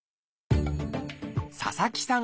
佐々木さん